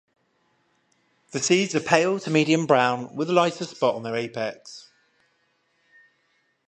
The seeds are pale to medium brown, with a lighter spot on their apex.